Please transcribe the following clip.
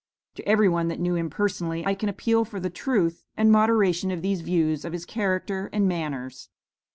To every one that knew him personally, I can appeal for the truth and moderation of these views of his character and manners.